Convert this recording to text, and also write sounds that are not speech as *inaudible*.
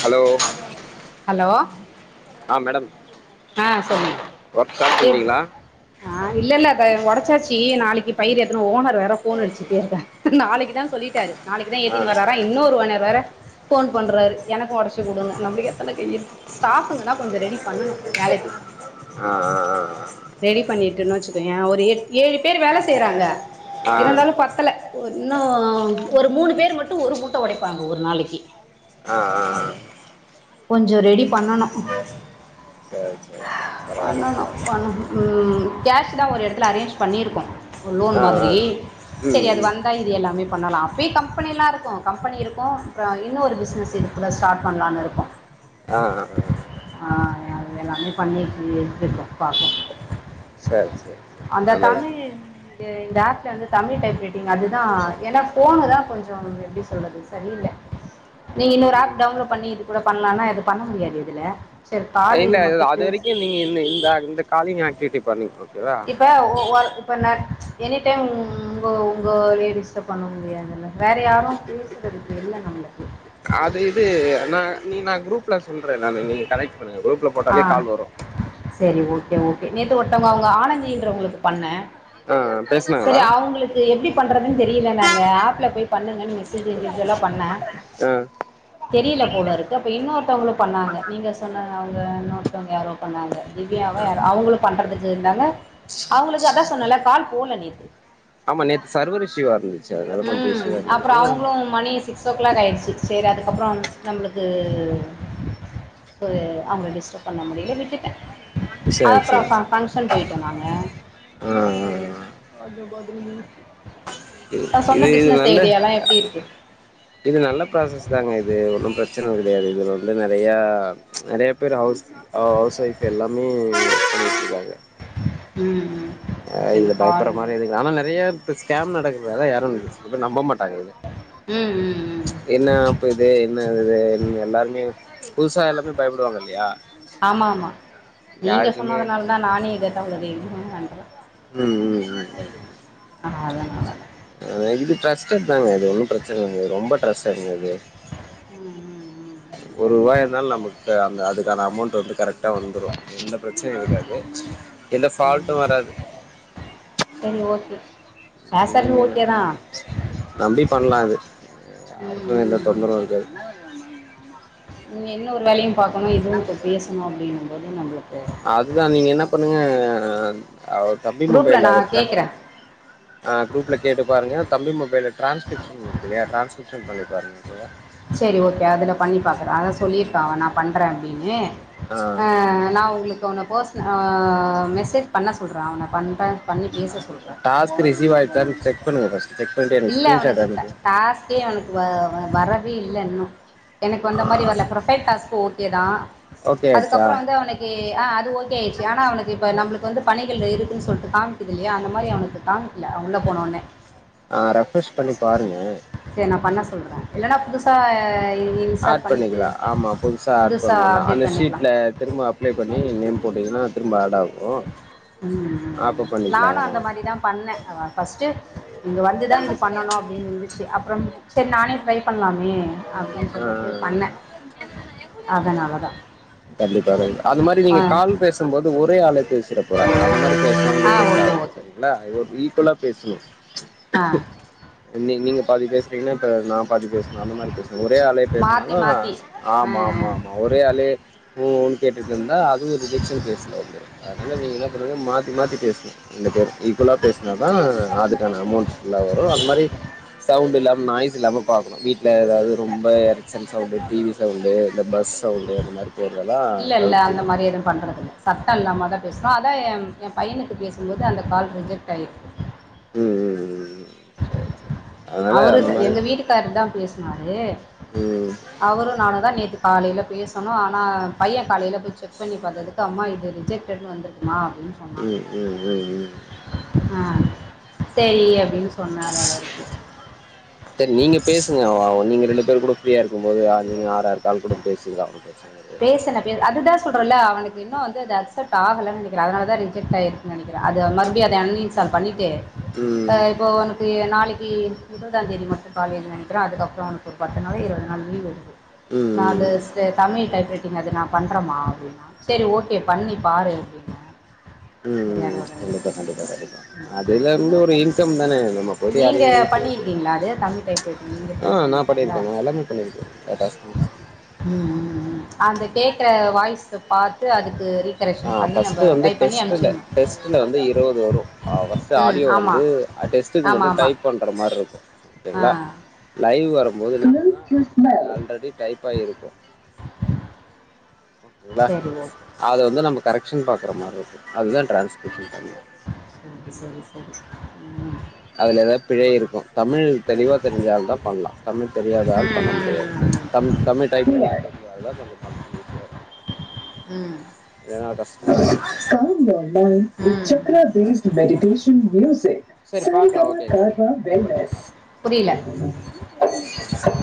hello hello ஆ madam ஆ சொல்ங்க ஒர்க் ஸ்டார்ட் எப் பண்ணிட்டீங்களா ஆ இல்லல்ல அத உடைச்சாச்சி நாளைக்கு பயிர் எத்தனும் ஓனர் வேற போன் அடிச்சுட்டேருக்க நாளைக்கு தா சொல்லிட்டாரு நாளைக்கு தா ஆ ஏத்தின் வரார இன்னொரு ஓனர் வேற போன் பண்றாரு எனக்கு உட ச்சி கொடுங்கடனு நம்மளுக்கே எத்தன கை இருக்கு ஸ்டாப்ங்கன்னா கொஞ்ச ரெடி பண்ணணு வேலைக்கு ஆ ஆ ரெடி பண்ணிட்டுன்னு வச்சுக்கோய ஒரு ஏழு பேர் வேல செய்யறாங்க ஆ ஆ இருந்தாலும் பத்தல இன்னு ஒரு மூணு பேர் மட்டு ஒரு மூட்ட உடப்பாங்க ஒரு நாளைக்கு ஆ ஆ கொஞ்ச ரெடி பண்ணணு சரி சரி பரவாயில்ல பண்ணணு பரவாயில்ல பண்ண கேஸு தா ஒரு இடத்துல அரேஞ்ச் பண்ணியிருக்கோ லோன் ஆ மாதிரி ஆ ம் சரி அது ம் வந்து இது எல்லாமே பண்ணலா அப்பயே கம்பெனியல்லா இருக்கும் கம்பெனி இருக்கும் அப்பற இன்னொ ஒரு பிசினஸ் இது உள்ள ஸ்டார்ட் பண்ணலானு இருக்கோ ஆ ஆ ஆ அது எல்லாமே பண்ணி இருக்கு எச்சிருக்கே பாப்போ சரி சரி அந்த நல்ல தம்பி விஷயம் இந்த ஆப் வந்து தமிழ் டைப் ரைட்டிங் அதுதா ஏன்னா ஃபோனு தா கொஞ்ச எப்டி சொல்றது சரியில்ல நீங்க இன்னொரு ம் ம் ஆப் டவுன்லோட் பண்ணி இது கூட பண்ணலாம்னா இது பண்ண முடியாது இதுல சரி கால் இது மட்டு பே நீங்க இந்த இந்த இந்த காலிங் ஆக்டிவிட்டி பண்ணீங்க இப்ப ஓர் இப்போ ந எனி டைம் உங்க உங்க லேடிஸ்ட பண்ண முடியாதுல்ல வேற யாரும் ப்ளீஸ் இருக்கு இல்ல நம்மளுக்கு அது இது நா நீ நா குரூப்ல சொல்ற நானு நீங்க கனெக்ட் பண்ணுங்க குரூப்ல ஆ போட்டாலே கால் வரு சரி ஓகே ஓகே நேத்து ஒருத்தவங்க அவங்க ஆனந்தின்றவங்களுக்கு பண்ண ஆ பேசுனாங்களா சரி அவங்களுக்கு இது எப்டி பண்ணுறதுன்னு தெரியல நாங்க ஆப்ல போய் பண்ணுக்கன்னு மெசேஜ் இண்டிஜிவுலா பண்ண அ தெரியல போலருக்கு அப்ப இன்னொருத்தவங்களும் பண்ணாங்க நீங்க சொன்ன அவங்க இன்னொருதவங்க யாரோ பண்ணாங்க திவ்யாவ யாரோ அவங்களு பண்றதுக்கு இருந்தாங்க அவங்களுக்கு அதா சொன்னல கால் போல நேத்து ஆமா நேத்து சர்வர் இசுவா இருந்து ம் அப்பற அவங்களு மணி சிஸ் சிக்ஸ் ஓ கிளாக் ஆகிடுச்சு சேரி அதுக்கப்பற நம்மளுக்கு செரி அவுங்கள டிஸ்டர்ப் பண்ண முடியில விட்டுட்ட அது சரி அப்றோ ஃப் ஃபங்க்ஷன் போய்ட்டோ நாங்க அ அ அ அது *unintelligible* நா இது சொன்ன இது பிஸ்னஸ் நல்ல ஐடியாலா எப்டி இருக்கு இது நல்ல ப்ராசஸ் தாங்க இது ஒன்னு ப்ரச்சன கிடையாது இது வந்து நெறைய நெறைய பேர் ஹவுஸ் ஆ ஹவுஸ் வைஃப் எல்லாமே பண்ணிக்கிட்டு இருக்காங்க ம் ம் அ இப்ப இந்த இதுல கால் பயப்புற மாரி ம் எதுல ஆனா நறையா இப்ப ஸ்கேம் நடக்குது அதா யாரு நம்ப மாட்டாங்க இது ம் ம் ம் என்ன ஆப்பு இது என்னது இது என் எல்லாருமே புதுசா எல்லாமே பயப்படுவாங்க இல்லையா ஆமா ஆமா நீங்க யாருக்குமே சொன்னதுனால தா நானே இத *inaudible* தைரியமா பண்றே ம் ம் ஆ அ தானா ஆ இது ட்ரஸ்டட் தாங்க அது ஒன்னு ப்ரச்சன இல்ல ரொம்ப ட்ரஸ்டடுங்க இது ம் ம் ஒரு வாய இருந்தாலு நம்முக்கு அந்த அதுக்கான அமௌண்ட் வந்து கரெக்டா வந்துரு எந்த ப்ரச்சனையு இருக்காது எந்த ஃபால்ட்டு வராது செரி ஓகே பேசறது நீங்க என்ன ஓகேதா நம்பி பண்லா இது ம் யாருக்கு எந்த ம் ம் தொந்தரவு இருக்காது நீங்க இன்னொரு வேலையு பாக்கணு இதுவு இப்ப பேசணு அப்டிகுபோது நம்ளுக்கு இதா நீங்க என்னா பண்ணுங்க ஆ ஆ ஆ அவர் தம்பி குரூப்பில் மொபைல அத நான் ட்ரா கேட்குறேன் அ க்ரூப்ல கேட்டு பாருங்க தம்பி மொபைல்ல ட்ரான்ஸ்க்ரிப்ஷன் இருக்குல்லையா ட்ரான்ஸ்க்ரிப்ஷன் பண்ணி பாருங்க ஓகேவா செரி ஓகே அதுல பண்ணி பாக்குறா அதா சொல்லிர்ப்பா அவ நா பண்ற அப்டின்னு ஆ நா உங்களுக்கு அவன பர்ஸ்னு ஆ மெசேஜ் பண்ண சொல்றா அவன பண்ற டாஸ்க் ரிசீவ் ஆய்ட்டான் செக் பண்ணுங்க ஃபஸ் இல்ல அவனுக்குட்ட டாஸ் கே அவனுக்கு வ வ வரவே இல்ல இன்னு எனக் ஆ வந்த மாரி வர்ல ப்ரொஃபைல் டாஸ்க் ஓக் கே தா ஓகே ஆயிடுச்சா அதுக்கப்றோ வந்து அவனைக் கே ஆ அது ஓகே ஆய்ர்ச்சு ஆனா அவனுக்கு இப்ப நம்ளுக்கு வந்து பணிகள் இருக்குன் சொல்ட்டு காம்க்குது இல்லையா அந்த மாரி அவ்னுக்கு காமி கில்ல அவ் உள்ள போனவுனே ஆ ரெஃப்ரெஷ் பண்ணி பாருங்க இத நா பண்ண சொல்ற இல்லன்னா புதுசா அ ஆட் பண்ணிக்கலா ஆமா புதுசா ஆட் பண்ணுனா அப்டேட் அந்த பண்ணிக்கலாம் ஷீட்ல திரும்ப அப்ளை பண்ணி நேம் போட்டிங்ன்னா திரும்ப ஆட் ஆகு ம் ம் ம் அப்ப பண்ணிக்கலா நானு ஆமா அந்த மாரிதா பண்ணே அவ ஃபர்ஸ்ட்டு இங்க வந்துதா இது பண்ணணு அப்டின் இருந்துச்சு அப்றோ செரி நானே ட்ரை பண்லாமே அப்டின்னு ஆ சொல்லிட்டு பண்ண அதனாலதா கண்டிப்பாக அந்தமாரி நீங்க கால் பேசும்போது ஒரே ஆளுக் பேசுற *inaudible* ஆ ஓகே ஓகே ங்களா இது ஓர் ஈக்குல்லா பேஸ்ணு ஆ நீங் நீங்க பாதி பேசுறீங்னா இப்ப நா பாதி பேசணு அந்தமா பேஸ்னு ஒரே ஆளே மாத்தி பேஸ்னாலு மாத்தி ஆ ஆம் ஆம் ஆ ஆம் மா ஒரே ஆளே ஊ ஊன் கேட்டிட்ருந்தா அதுவு ரிஜெக்ஷன் கேஸ்ல வந்துரு அதால நீங்க என்ன பண்ணீங்க மாத்தி மாத்தி பேஸ்னு இந்த பேர் ஈக்வலா பேஸ்னாதா அதுக்கான அமௌண்ட் நல்லா வரு அது மாரி சவுண்ட் இல்லாம் நாய்ஸ் இல்லாம பாக்கணு வீட்ல ஏதாவ்து ரொம்ப எரச்சன் சவுன்டு டி வி சவுன்டு இந்த பஸ் சவுன்டு அந்த மாரி தெர்லலா இல்ல இல்ல அந்த மாரி எதும் பண்றதுக்குல்ல ச சத்த இல்லாமதா பேஸ்ரோ அதா எம் எ பையனுக்கு பேசும்போது அந்த கால் ரிஜெக்ட் அய்ரு ம் ம் ம் ம் சரி சரி அதனால அவருத் அந்த மாரி எங்க வீட்டுக்காருதா பேசுனாரு ம் அவரு நானு தா நேத்து காலைல பேசனோ ஆனா பைய காலைல போய் செக் பண்ணி பாத்தது கம்மா இது ரிஜெக்டட்னு வந்துருக்குமா அப்டின் உம் உம் உம் உம் ஆ சேரி அப்டின் சொன்னாங்கருந்துச்சி தரி நீங்க பேசுங்க ஆ ஆ நீங்க ரெண்டு பேர் கூட ஃப்ரீயா இருக்கும்போது ஆர்னி ஆறாற் கால் கூட பேசுவிங்கா பேஸ்சன பேர் அதுதா சொல்றல்ல அவனுக்கு இன்னு வந்து அத அக்சப்ட் ஆகலன் நெனைக்கற அதனாலதா ரிஜெக்ட் ஆயிருக்கு நெனைக்கிற அது மறுபடியு அது அண்இன் சால் பண்ணிட்டு ம் இப்போ உனக்கு நாளைக் விபதாம் தேதி மட்டும் காலேஜ் நெனைக்கல அதுக்கப்புறம் அவனுக்கு ஒரு பத்து நாளோ இருவது நாள் லீவ் வருது உம் அதர்ஸ் த தமிழ் டைப்ரைட்டிங் அது நா பண்றமா அப்டின்னா சரி ஓகே பண்ணி பாரு அப்டின்ன ம் கண்டிப்பா கண்டிப்பா கண்டிப்பா அதுல இருந்து ஒரு இன்கம் தான நமக் போடி நீங்க அறைய பண்ணிருக்கீங்ளா அது தமிழ் டைப்ரைட்டிங் நீங்க ஆ ட்ரை நா பண்ணிருக்கீங்ளா பண்ணியிருக்கேன் நா எல்லாமே பண்ணியிருக்கேன் *unintelligible* ம் ம் ம் அந்த கேட்கற வாய்ஸ் பாத்து அதுக்கு ஆ ரீகரெக்ஷன் பண்ணி நம்ம ஃபர்ஸ்ட்டு வந்து டைப் பண்ணி டெஸ்ட்டுல அனுப்ச்சிடணும் டெஸ்ட்டுல வந்து இருவது வரும் ஃபர்ஸ்ட்டு ம் ஆடியோல ஆமா வந்து அ டெஸ்ட்டுக்கு ஆமா மட்டும் ஆமா டைப் பண்ற மாரி இருக்கும் ஆ ஓகேங்களா லைவ் வரும்போது ஆல்ரெடி டைப் ஆகிருக்கும் ஓகேங்களா சரி ஓகே அத வந்து நம்ம கரெக்க்ஷன் பாக்குற மாரி இருக்கும் அதுதான் டரான்ஸ்கிரிப்ஷன் பண் சரி சரி உம் அதுல ஏதாது பிழை இருக்கும் தமிழ் தெளிவா தெரிஞ்சால்தா பண்ணு தமிழ் தெரியாதாள் பண்ண முடியாது ம் ம் தமிழ் தமிழ் டைப்பிங் தெரிஞ்சாதான் கொஞ்சோ பண்ணத்துக்கு ஈஸியா இருக்கும் ம் ஏனா காஷ்ட ம் ம் சக்கரா ம் தே மெடிட்டேஷன் மியூசிக் சரி பார்க்கலாம்ங்க புரியல ஓகே